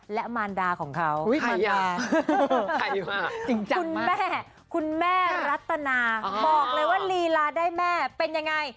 และมารดาของเขาคุณแม่คุณแม่รัตนาบอกเลยว่าลีลาได้แม่เป็นยังไง